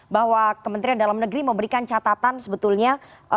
bahwa kementerian dalam negeri memberikan catatan sebetulnya